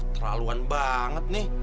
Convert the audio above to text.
terlaluan banget nih